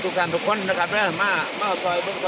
พวกมันกำลังพูดได้